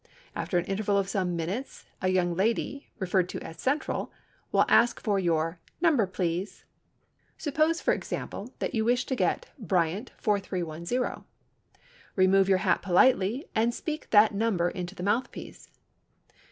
After an interval of some minutes a young lady (referred to as "Central") will ask for your "Number, please." Suppose, for example, that you wish to get Bryant 4310. Remove your hat politely and speak that number into the mouthpiece.